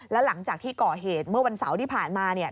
แล้วหลังจากที่ก่อเหตุเมื่อวันเสาร์ที่ผ่านมาเนี่ย